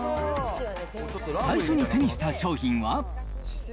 最初に手にした商品は。